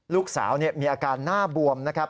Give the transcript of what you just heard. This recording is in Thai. ลูกสาวมีอาการหน้าบวมนะครับ